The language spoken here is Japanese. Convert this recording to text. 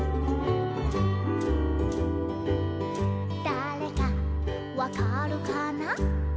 「だれかわかるかな？」